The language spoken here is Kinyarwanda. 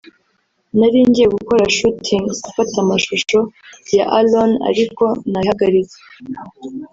nari ngiye gukora shooting [gufata amashusho] ya Alone ariko nabihagaritse